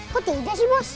kok tidak sih bos